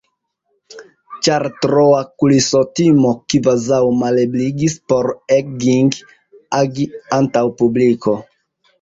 Ĉar troa kulisotimo kvazaŭ malebligis por Egging agi antaŭ publiko.